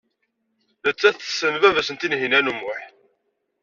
Nettat tessen baba-s n Tinhinan u Muḥ.